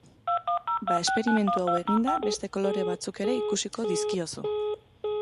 Ba esperimentu hau eginda beste kolore batzuk ere ikusiko dizkiozu.